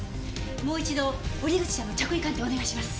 もう一度折口さんの着衣鑑定お願いします。